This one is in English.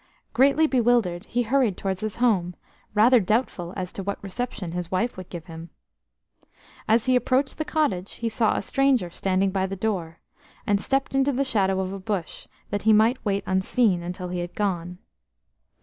Greatly bewildered, he hurried towards his home, rather doubtful as to what reception his wife would give him. As he approached the cottage, he saw a stranger standing by the door, and stepped into the shadow of a bush that he might wait unseen until he had gone.